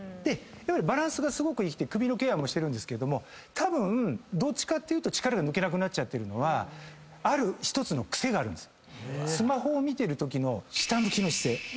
バランスがすごく生きて首のケアもしてるんですけどもたぶんどっちかっていうと力が抜けなくなっちゃってるのはある１つの癖があるんです。